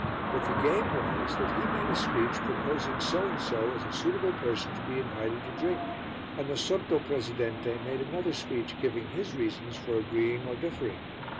But the game was that he made a speech proposing so and so as a suitable person to be invited to drink, and the sotto presidente made another speech giving his reasons for agreeing or differing.